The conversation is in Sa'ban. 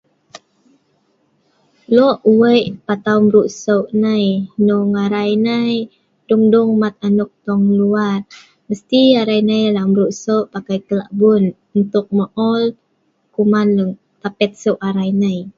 Lok wei patau mbreu seu' nai, hnung arai nai dung dung mat anok dong luar.. mesti arai nai lak mbreu seu pakai kelabun untuk ma'ol kuman tapet dong seu' arai nai.